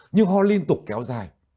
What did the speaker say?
nhưng ho liên tục kéo dài